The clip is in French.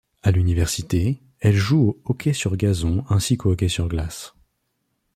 À l'Université, elle joue au hockey sur gazon ainsi qu'au hockey sur glace.